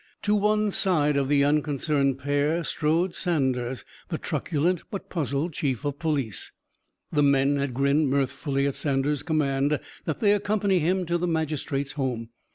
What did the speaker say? To one side of the unconcerned pair strode Saunders, the truculent but puzzled chief of police. The men had grinned mirthfully at Saunders' command that they accompany him to the magistrate's home.